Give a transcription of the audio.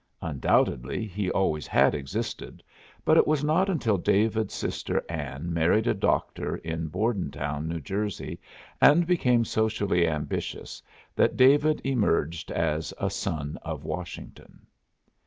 Undoubtedly he always had existed, but it was not until David's sister Anne married a doctor in Bordentown, New Jersey, and became socially ambitious, that David emerged as a Son of Washington.